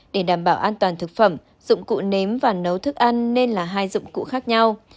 để đảm bảo an toàn thực phẩm dụng cụ nếm và nấu thức ăn nên là hai dụng cụ khác nhau